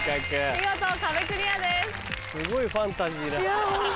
見事壁クリアです。